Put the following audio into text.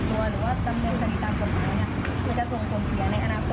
จึงถึงต้มรายข้อโจทย์ที่เจ๊นในปีนี้ด้วยครับ